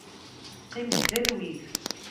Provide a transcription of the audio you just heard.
Qqim deg talwit.